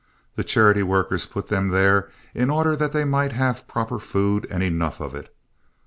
The charity workers put them there in order that they might have proper food and enough of it.